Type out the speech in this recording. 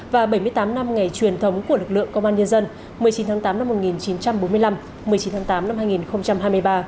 và bảy mươi tám năm ngày truyền thống của lực lượng công an nhân dân một mươi chín tháng tám năm một nghìn chín trăm bốn mươi năm một mươi chín tháng tám năm hai nghìn hai mươi ba